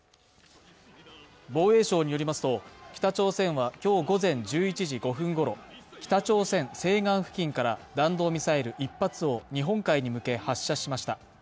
防衛省によりますと北朝鮮は今日午前１１時５分ごろ、北朝鮮西岸付近から弾道ミサイル１発を日本海に向け発射しました。